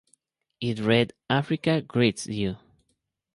It read:Africa greets you.